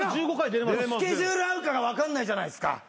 スケジュール合うかが分かんないじゃないですか。